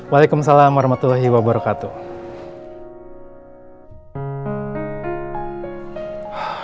waalaikumsalam warahmatullahi wabarakatuh